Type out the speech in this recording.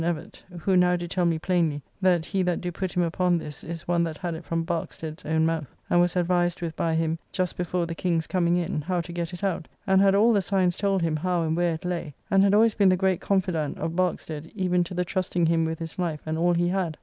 Evett, who now do tell me plainly, that he that do put him upon this is one that had it from Barkestead's own mouth, and was advised with by him, just before the King's coming in, how to get it out, and had all the signs told him how and where it lay, and had always been the great confident of Barkestead even to the trusting him with his life and all he had.